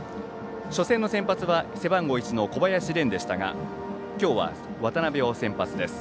初戦の先発は背番号１の小林廉でしたが今日は渡辺が先発です。